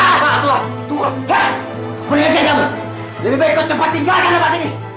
perhatikan kamu lebih baik kau cepat tinggalkan bapak dini